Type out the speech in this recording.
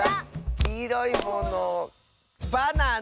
「きいろいものバナナ！」